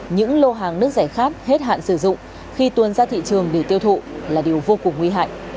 những lô hàng nước rẻ khát hết hạn sử dụng khi tuôn ra thị trường để tiêu thụ là điều vô cùng nguy hại